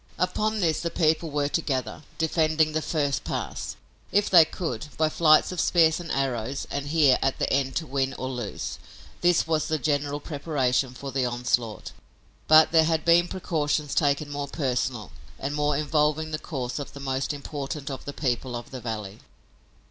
Upon this the people were to gather, defending the first pass, if they could, by flights of spears and arrows and here, at the end, to win or lose. This was the general preparation for the onslaught, but there had been precautions taken more personal and more involving the course of the most important of the people of the valley.